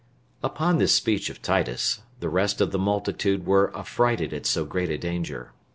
Upon this speech of Titus, the rest of the multitude were afrighted at so great a danger.